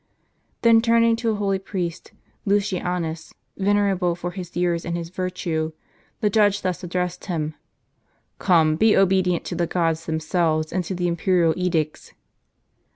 Then turning to a holy priest, Lucianus, venerable for his years and his virtues, the judge thus addressed him :" Come, be obedient to the gods themselves, and to the imperial edicts."